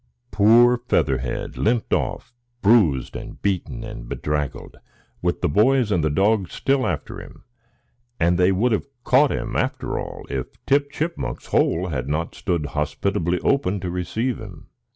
Poor Featherhead limped off, bruised and beaten and bedraggled, with the boys and dog still after him; and they would have caught him, after all, if Tip Chipmunk's hole had not stood hospitably open to receive him.